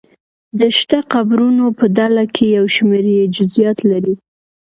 د شته قبرونو په ډله کې یو شمېر یې جزییات لري.